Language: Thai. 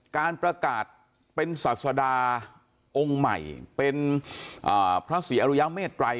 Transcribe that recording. การประกาศเป็นศาสดาองค์ใหม่เป็นพระศรีอรุยะเมตรัย